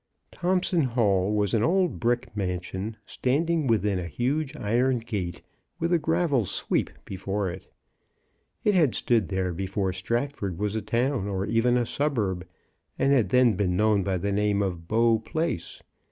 Thompson Hall was an old brick mansion, stand ing within a huge iron gate, with a gravel sweep before it. It had stood there be fore Stratford was a town, or even a suburb, and had then been known by the name of Bow Place.